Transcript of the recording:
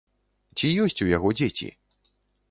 Ці ёсць у яго дзеці?